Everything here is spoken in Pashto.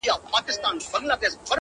يو ملا بس دومره وايي